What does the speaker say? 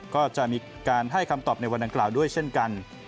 ก็จะมีการให้คำตอบในวันดังกล่าวด้วยเช่นกัน